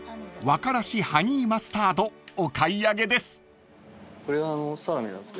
和からしハニーマスタードお買い上げです］